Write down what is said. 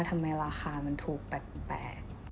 ทำไมราคามันถูกแปลก